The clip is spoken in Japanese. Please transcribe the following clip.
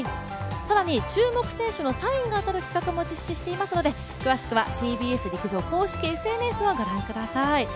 更に、注目選手のサインが当たる企画も実施していますので詳しくはＴＢＳ陸上公式ＳＮＳをご覧ください。